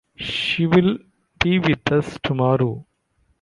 She will be with us tomorrow.